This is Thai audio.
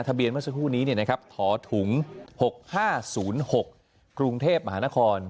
ทะเบียนเมื่อสักครู่นี้เนี่ยนะครับถอถุง๖๕๐๖กรุงเทพฯมหานคร